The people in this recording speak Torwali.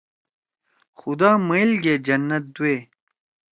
خُدا مئیل گے جنّت دوئے۔